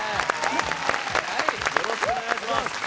よろしくお願いします